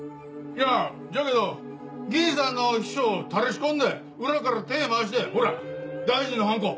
じゃじゃけど議員さんの秘書をたらし込んで裏から手回してほら大臣のハンコ！